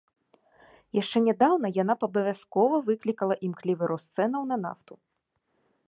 Яшчэ нядаўна яна б абавязкова выклікала імклівы рост цэнаў на нафту.